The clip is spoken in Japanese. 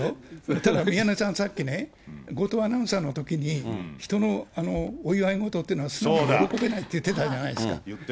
ただ、宮根さん、さっきね、後藤アナウンサーのときに、人のお祝い事っていうのは、素直に喜べないって言ってたじゃないですか。